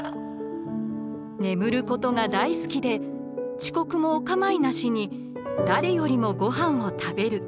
眠ることが大好きで遅刻もおかまいなしに誰よりも御飯を食べる。